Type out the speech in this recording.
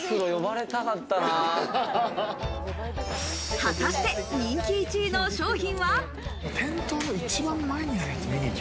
果たして人気１位の商品は？